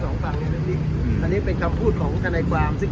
สองฝั่งอันนี้อันนี้เป็นคำพูดของกนยความซึ่ง